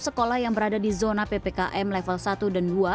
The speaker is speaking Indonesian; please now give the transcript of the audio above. sekolah yang berada di zona ppkm level satu dan dua